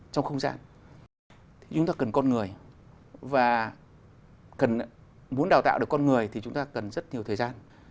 trong không gian thì chúng ta cần con người và muốn đào tạo được con người thì chúng ta cần rất nhiều thời gian